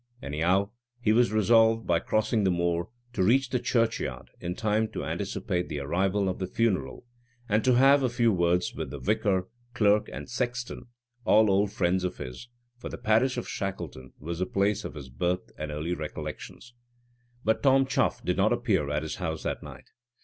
Anyhow, he was resolved, by crossing the moor, to reach the churchyard in time to anticipate the arrival of the funeral, and to have a few words with the vicar, clerk, and sexton, all old friends of his, for the parish of Shackleton was the place of his birth and early recollections. But Tom Chuff did not appear at his house that night.